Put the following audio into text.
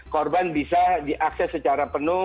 korban bisa diakses secara penuh